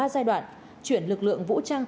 ba giai đoạn chuyển lực lượng vũ trang